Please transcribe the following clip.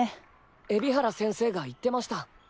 海老原先生が言ってました。